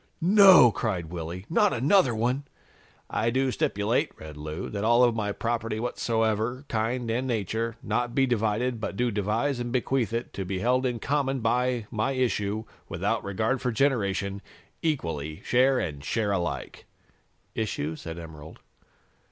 '" "No!" cried Willy. "Not another one!" "'I do stipulate,'" read Lou, "'that all of my property, of whatsoever kind and nature, not be divided, but do devise and bequeath it to be held in common by my issue, without regard for generation, equally, share and share alike.'" "Issue?" said Emerald.